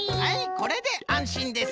これであんしんです。